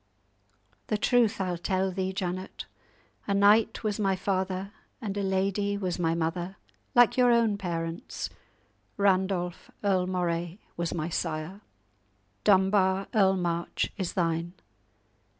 "The truth I'll tell thee, Janet; a knight was my father, and a lady was my mother, like your own parents. Randolph, Earl Moray, was my sire; Dunbar, Earl March, is thine.